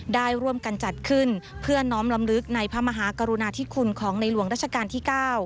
ได้ร่วมกันจัดขึ้นเพื่อน้อมลำลึกในพระมหากรุณาธิคุณของในหลวงราชการที่๙